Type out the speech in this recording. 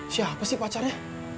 siapa sih pacarnya